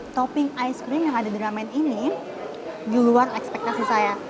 toping es krim yang ada di ramen ini di luar ekspektasi saya